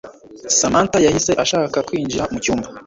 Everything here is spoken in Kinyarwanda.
Samantha yahise ashaka kwinjira mu cyumba